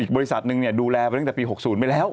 บริษัทหนึ่งดูแลไปตั้งแต่ปี๖๐ไปแล้ว